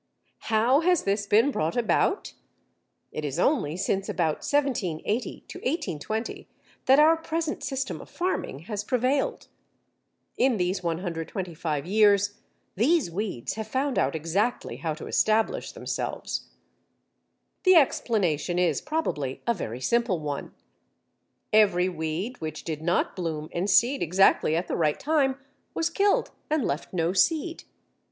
How has this been brought about? It is only since about 1780 to 1820 that our present system of farming has prevailed. In these 125 years, these weeds have found out exactly how to establish themselves. The explanation is probably a very simple one. Every weed which did not bloom and seed exactly at the right time was killed and left no seed.